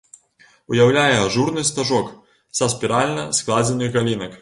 Уяўляе ажурны стажок са спіральна складзеных галінак.